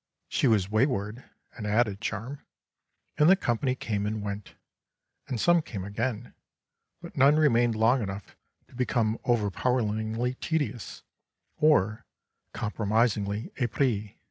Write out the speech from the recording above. She was wayward (an added charm), and the company came and went, and some came again, but none remained long enough to become overpoweringly tedious or compromisingly épris.